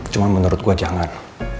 cuma menurut gue jangan